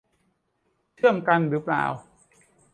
เชื่อมกันรึเปล่า